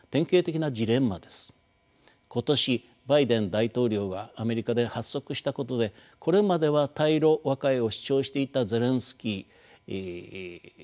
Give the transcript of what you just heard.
今年バイデン大統領がアメリカで発足したことでこれまでは対ロ和解を主張していたゼレンスキー政権を刺激し反ロに転換。